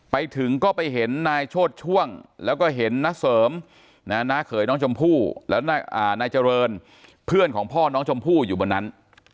ไปถึงก็ไปเห็นนายโชธช่วงแล้วก็เห็นน้าเสริมน้าเขยน้องชมพู่แล้วนายเจริญเพื่อนของพ่อน้องชมพู่อยู่บนนั้น